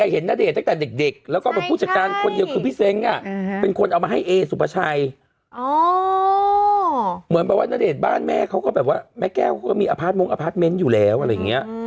อ๋อเหมือนแบบว่าณเดชน์บ้านแม่เขาก็แบบว่าแม่แก้วเขาก็มีอยู่แล้วอะไรอย่างเงี้ย